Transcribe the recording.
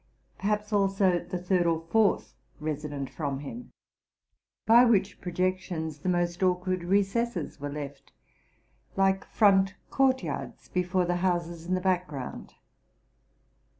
perhaps, also, the third or fourth resident from him; by which projections the most awkward recesses were left, like front court yards, before the houses in the background.